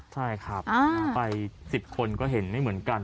ใช่ครับไป๑๐คนก็เห็นไม่เหมือนกัน